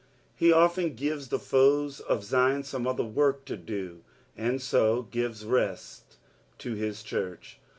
He often gives the foes of Zion fome other work to do, and so gives rest to his church.